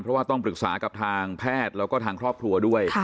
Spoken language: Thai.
เพราะว่าต้องปรึกษากับทางแพทย์แล้วก็ทางครอบครัวด้วย